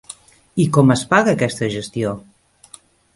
I com es paga aquesta gestió?